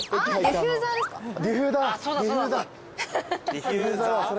ディフューザーそれ。